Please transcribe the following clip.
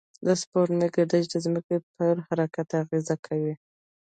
د سپوږمۍ گردش د ځمکې پر حرکت اغېز کوي.